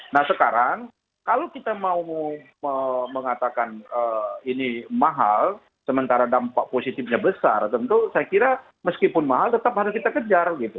nah sekarang kalau kita mau mengatakan ini mahal sementara dampak positifnya besar tentu saya kira meskipun mahal tetap harus kita kejar gitu